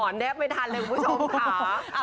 อ๋อ่อนแด้บไม่ทันเลยคุณผู้ชมคะ